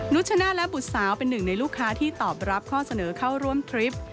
ชนาธิและบุตรสาวเป็นหนึ่งในลูกค้าที่ตอบรับข้อเสนอเข้าร่วมทริป